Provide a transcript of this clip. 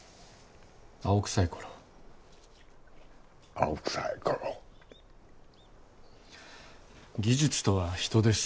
青臭い頃を青臭い頃技術とは人です